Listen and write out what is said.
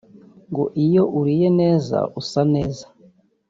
ngo iyo uriye neza usa neza